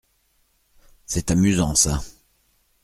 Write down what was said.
C’est amusant ça.